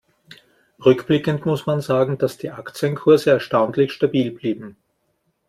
Rückblickend muss man sagen, dass die Aktienkurse erstaunlich stabil blieben.